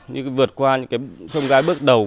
như vượt qua những cái thông gái bước đầu